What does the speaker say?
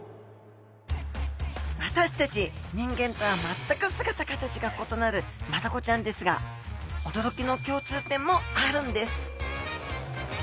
私たち人間とは全く姿形がことなるマダコちゃんですが驚きの共通点もあるんです